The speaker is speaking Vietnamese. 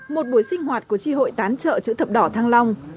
một buổi sinh hoạt của chi hội tám trợ chữ thập đỏ thăng long